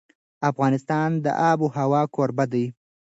افغانستان د آب وهوا کوربه دی.